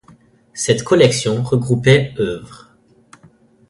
Cette collection regroupait œuvres.